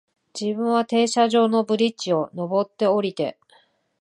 自分は停車場のブリッジを、上って、降りて、